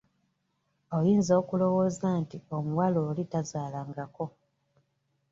Oyinza okulowooza nti omuwala oli tazaalangako.